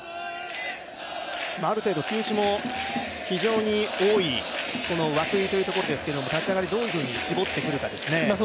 ある程度、球種も非常に多い涌井というところですけれども、立ち上がり、どういうふうに絞ってくるかですね。